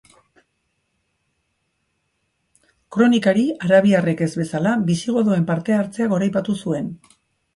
Kronikari arabiarrek ez bezala, bisigodoen parte-hartzea goraipatu zuen.